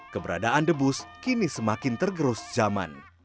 keberadaan debus kini semakin tergerus zaman